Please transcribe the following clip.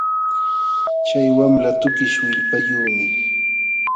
Chay wamla tukish willpayuqmi